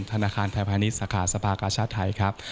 ธนาคารแทฟภาณิชสสระภาษณ์กระชะไทยครับ